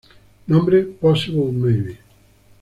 Nombre: "Possible Maybe".